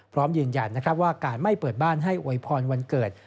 พร้อมยืนยันว่าการไม่เปิดบ้านให้อวยพรวันเกิด